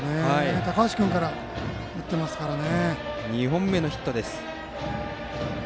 高橋君から打ちましたからね。